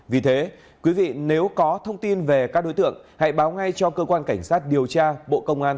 vì thế quý vị nếu có thông tin về các đối tượng hãy báo ngay cho cơ quan cảnh sát điều tra bộ công an